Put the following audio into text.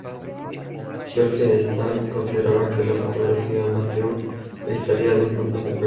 George Eastman consideraba que la fotografía "amateur" atraía a dos grupos de personas.